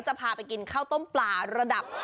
จะพาไปกินข้าวต้มปลาระดับ